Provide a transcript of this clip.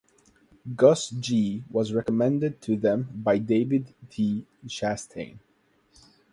Gus G. was recommended to them by David T. Chastain.